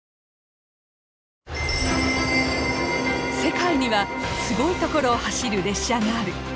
世界にはすごい所を走る列車がある。